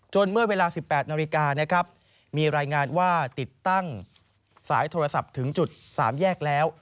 เมื่อเวลา๑๘นาฬิกานะครับมีรายงานว่าติดตั้งสายโทรศัพท์ถึงจุด๓แยกแล้ว